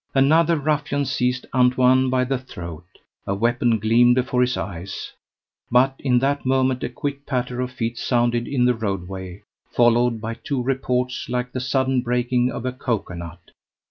Another ruffian seized Antoine by the throat. A weapon gleamed before his eyes; but in that moment a quick patter of feet sounded in the roadway, followed by two reports like the sudden breaking of a cocoa nut.